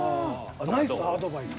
ナイスアドバイス。